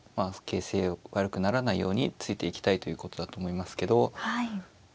形勢悪くならないようについていきたいということだと思いますけどま